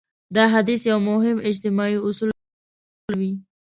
دا حديث يو مهم اجتماعي اصول راته بيانوي.